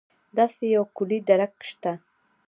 داسې یو کُلي درک شته.